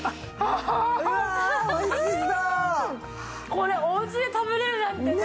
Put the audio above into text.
これおうちで食べれるなんてね。